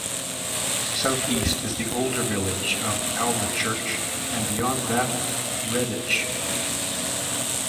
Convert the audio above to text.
Southeast is the older village of Alvechurch and beyond that Redditch.